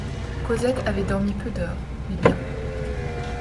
Cosette avait dormi peu d’heures, mais bien.